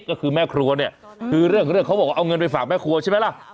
ก็คือแม่ครัวเนี่ยคือเรื่องของเรื่องเขาบอกว่าเอาเงินไปฝากแม่ครัวใช่ไหมล่ะ